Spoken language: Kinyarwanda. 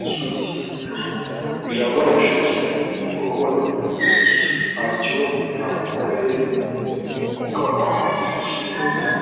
Birababaje kubona ntacyo ntagukoreye ukaba unsize